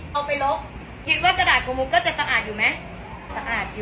ใช้ยางลบที่เฮียวไปเลิกกูจะทำให้น่าสะอาด